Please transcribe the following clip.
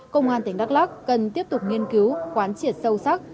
công an tỉnh đắk lắc cần tiếp tục nghiên cứu quán triệt sâu sắc